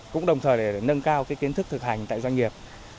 cũng đồng thời để nâng cao kiến thức thực hành tại doanh nghiệp